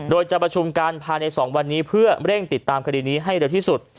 โดยจะประชุมกันภายใน๒วันนี้เพื่อเร่งติดตามคดีนี้ให้เร็วที่สุด